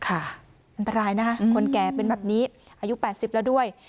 อันตรายนะคะคนแก่เป็นแบบนี้อายุ๘๐แล้วด้วย